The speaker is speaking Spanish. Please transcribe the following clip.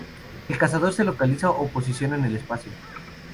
El cazador se localiza o posiciona en el espacio.